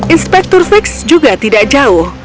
inspektur fix juga tidak jauh